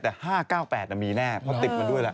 แต่๕๙๘มีแน่เพราะติดมาด้วยล่ะ